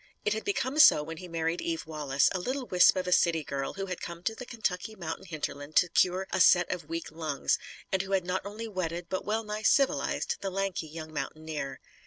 It had become so when he married Eve Wallace, a little wisp of a city girl who had come to the Kentucky mountain hinterland to cure a set of weak lungs and who had not only wedded but well nigh civilised the lanky young mountaineer.